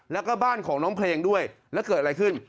แล้วก็บ้านของน้องเพลงด้วยแล้วเกิดอะไรขึ้น